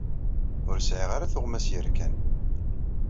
Ur sɛiɣ ara tuɣmas yerkan.